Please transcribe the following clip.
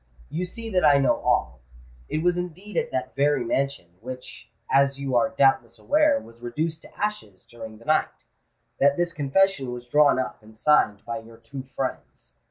"You see that I know all. It was indeed at that very mansion—which, as you are doubtless aware, was reduced to ashes during the night—that this confession was drawn up and signed by your two friends.